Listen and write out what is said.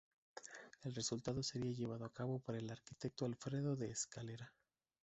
El resultado sería llevado a cabo por el arquitecto Alfredo de Escalera.